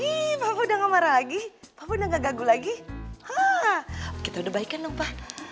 ih papa udah gak marah lagi papa udah gak gagal lagi kita udah baik kan dong pa